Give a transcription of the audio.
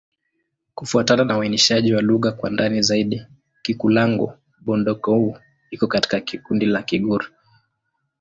Kufuatana na uainishaji wa lugha kwa ndani zaidi, Kikulango-Bondoukou iko katika kundi la Kigur.